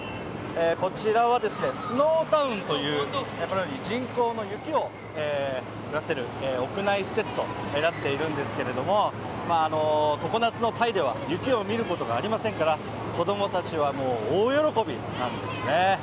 こちらはスノータウンというこのように人工の雪を降らせる屋内施設となっているんですけど常夏のタイでは雪を見ることはありませんから子供たちはもう大喜びなんですね。